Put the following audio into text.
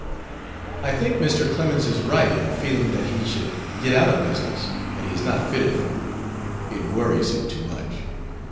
I think Mr. Clemens is right in feeling that he should get out of business, that he is not fitted for it; it worries him too much.